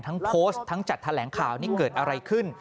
ทั้งโพสต์ทั้งจัดแถลงข่าวนี่เกิดอะไรขึ้น